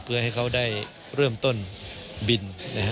เพื่อให้เขาได้เริ่มต้นบินนะฮะ